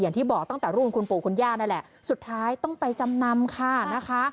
อย่างที่บอกตั้งแต่รุ่นคุณปู่คุณย่านั่นแหละสุดท้ายต้องไปจำนำค่ะนะคะ